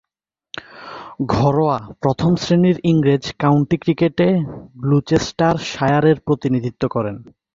ঘরোয়া প্রথম-শ্রেণীর ইংরেজ কাউন্টি ক্রিকেটে গ্লুচেস্টারশায়ারের প্রতিনিধিত্ব করেন।